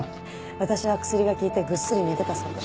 私は薬が効いてぐっすり寝てたそうで。